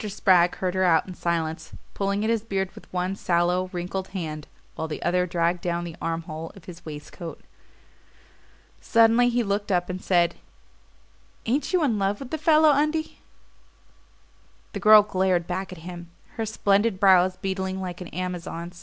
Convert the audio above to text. Spragg heard her out in silence, pulling at his beard with one sallow wrinkled hand, while the other dragged down the armhole of his waistcoat. Suddenly he looked up and said: "Ain't you in love with the fellow, Undie?" The girl glared back at him, her splendid brows beetling like an Amazon's.